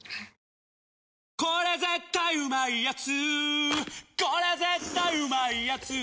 「日清これ絶対うまいやつ」